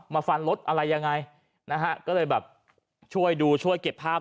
ฟันรถอะไรยังไงนะฮะก็เลยแบบช่วยดูช่วยเก็บภาพ